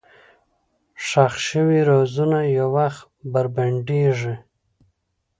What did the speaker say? ښخ شوي رازونه یو وخت بربنډېږي.